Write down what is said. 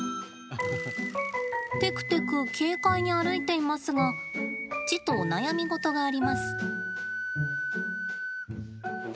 テクテク軽快に歩いていますがちと、お悩み事があります。